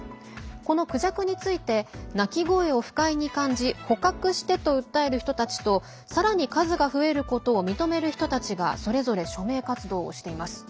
このクジャクについて鳴き声を不快に感じ捕獲してと訴える人たちとさらに数が増えることを認める人たちがそれぞれ署名活動をしています。